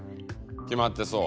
決まってそう。